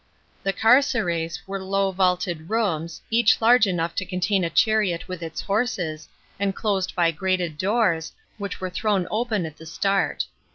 The carceres were low vaulted rooms, each large enough to contain a chariot with its horses, and closed by grated doors, which were thrown open at the start.